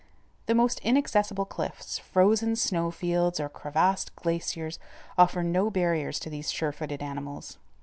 The most inaccessible cliffs, frozen snow fields, or crevassed glaciers offer no barriers to these surefooted animals.